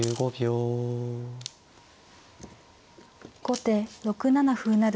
後手６七歩成。